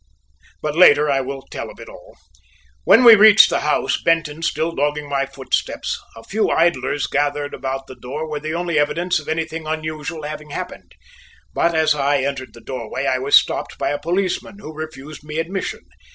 But later I will tell of it all. When we reached the house, Benton still dogging my footsteps, a few idlers gathered about the door were the only evidence of anything unusual having happened; but as I entered the doorway, I was stopped by a policeman, who refused me admission.